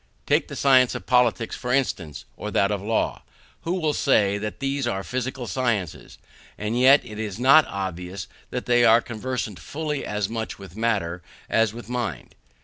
Take the science of politics, for instance, or that of law: who will say that these are physical sciences? and yet is it not obvious that they are conversant fully as much with matter as with mind?